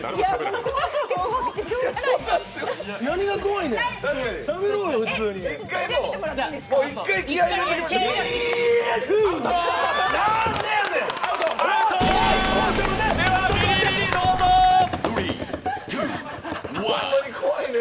何が怖いの？